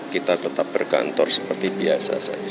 kita tetap berkantor seperti biasa saja